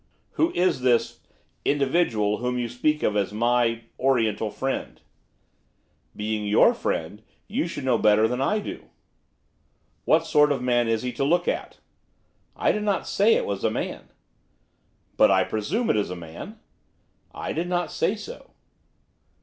'Who is this individual whom you speak of as my Oriental friend?' 'Being your friend, you should know better than I do.' 'What sort of man is he to look at?' 'I did not say it was a man.' 'But I presume it is a man.' 'I did not say so.